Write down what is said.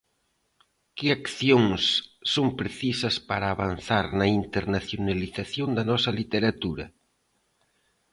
Que accións son precisas para avanzar na internacionalización da nosa literatura?